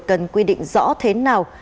cần quy định rõ thế nào